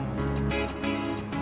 saya gak bisa jawab sekarang